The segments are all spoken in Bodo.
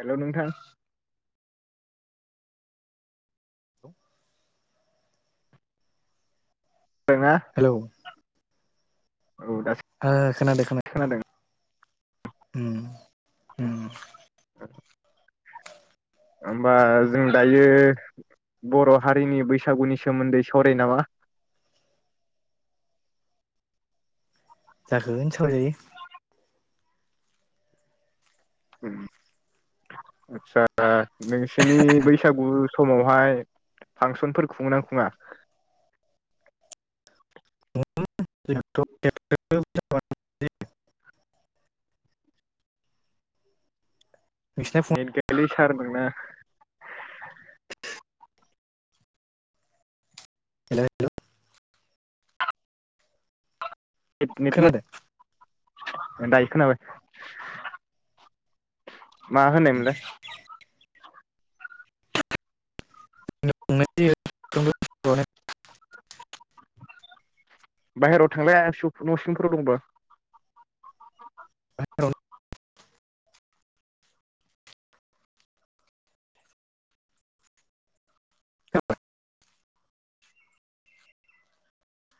हेलौ नोंथां। औ। खोनादोंना हेलौ ओ औ दासो ओ खोनादो खोनो खोनादों उम। उम ओ। ओबा जों दायो बर' हारिनि बैसागुनि सोमोन्दै सावरायनो नामा? जागोन सावरायजायो। ओम आतसा नोंसिनि बैसागु समावहाय फांसनफोर खुङो ना खुङा? [inaudible] नोंसिना फुङाव एद गेथलि सारमोनोंना हेलौ हेलौ। खोनादो कितनितमोन दायो खोनाबाय मा होननायमोनलाय? जोंना खुंनाय जायो। बाहेरायाव थांलाया न' सिंफोराव दंबा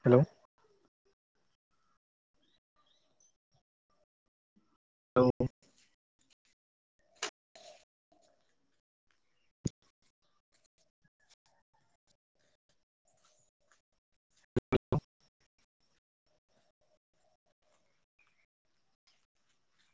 हेलौ। हेलौ